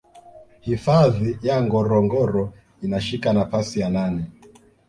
Hifadhi ya Ngorongoro inashika nafasi ya nane